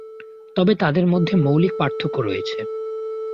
তবে তাদের মধ্যে মৌলিক পার্থক্য রয়েছে।